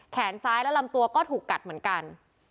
แขนซ้ายและลำตัวก็ถูกกัดเหมือนกัน